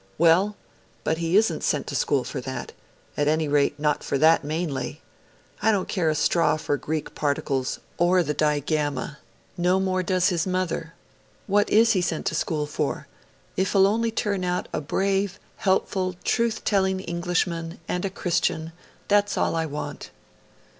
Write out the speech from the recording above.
'Well, but he isn't sent to school for that at any rate, not for that mainly. I don't care a straw for Greek particles, or the digamma; no more does his mother. What is he sent to school for?... If he'll only turn out a brave, helpful, truth telling Englishman, and a Christian, that's all I want.'